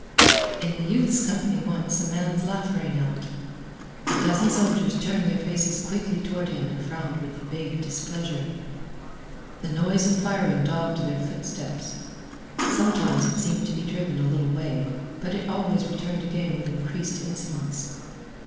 In the youth's company once a man's laugh rang out. A dozen soldiers turned their faces quickly toward him and frowned with vague displeasure. The noise of firing dogged their footsteps. Sometimes, it seemed to be driven a little way, but it always returned again with increased insolence.